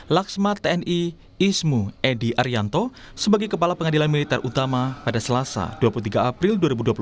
laksma tni ismu edi arianto sebagai kepala pengadilan militer utama pada selasa dua puluh tiga april dua ribu dua puluh tiga